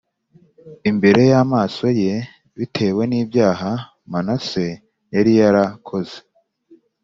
imbere y amaso ye bitewe n ibyaha Manaseb yari yarakoze